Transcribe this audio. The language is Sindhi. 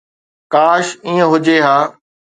ڪاش ائين هجي ها